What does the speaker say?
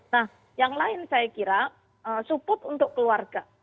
nah yang lain saya kira support untuk keluarga